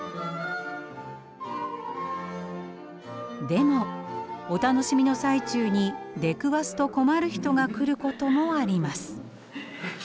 でもお楽しみの最中に出くわすと困る人が来ることもあります。